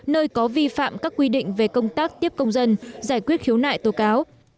nơi có vi phạm các quy định về công tác tiếp công dân giải quyết khiếu nại tố cáo